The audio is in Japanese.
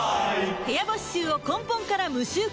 部屋干し臭を根本から無臭化